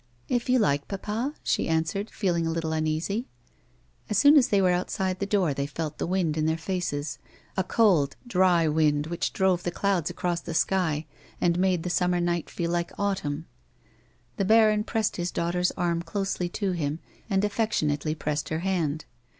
" If you like, papa," she answered, feeling a little uneasy. As soon as they were outside the door they felt the wind in their faces — a cold, dry wind which drove the clouds across the sky, and made the summer night feel like autumn. The baron pressed his daughter's arm closely to him, and affectionately pressed her hand.